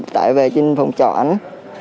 tải về trên phòng trò anh